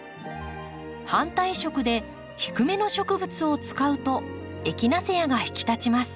反対色で低めの植物を使うとエキナセアが引き立ちます。